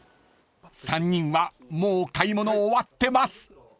［３人はもう買い物終わってます］